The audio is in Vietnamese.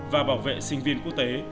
và bảo vệ sinh viên quốc tế